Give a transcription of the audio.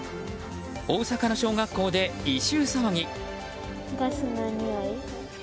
大阪の小学校で異臭騒ぎ。